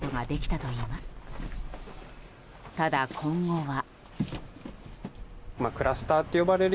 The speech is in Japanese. ただ今後は。